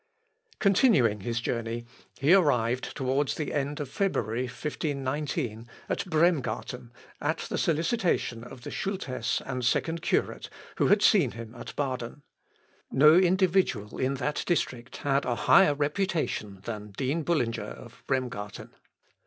] Continuing his journey, he arrived, towards the end of February, 1519, at Bremgarten, at the solicitation of the Schulthess and second curate, who had seen him at Baden. No individual in that district had a higher reputation than dean Bullinger of Bremgarten.